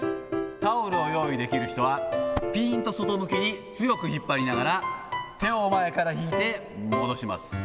タオルを用意できる人は、ぴんと外向きに強く引っ張りながら、手を前から引いて戻します。